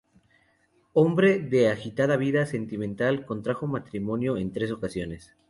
Hombre de agitada vida sentimental, contrajo matrimonio en tres ocasiones.